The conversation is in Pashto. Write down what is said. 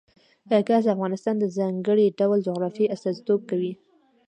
ګاز د افغانستان د ځانګړي ډول جغرافیه استازیتوب کوي.